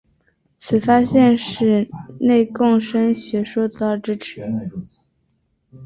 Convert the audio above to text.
此发现使内共生学说得到了支持。